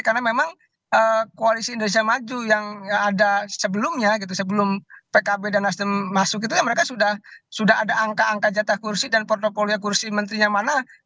karena memang koalisi indonesia maju yang ada sebelumnya gitu sebelum pkb dan nasdem masuk itu ya mereka sudah ada angka angka jatah kursi dan portfolio kursi menterinya mana